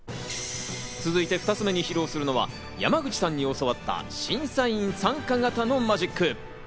続いて、２つ目に披露するのは山口さんに教わった審査員参加型のマジック。